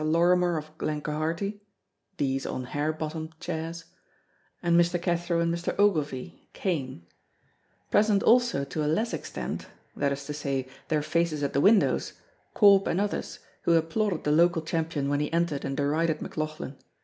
Lorrimer of Glenquharity (these on hair bottomed chairs), and Mr. Cathro and Mr. Ogilvy (cane); present also to a less extent (that is to say, their faces at the windows), Corp and others, who applauded the local champion when he entered and derided McLauchlan.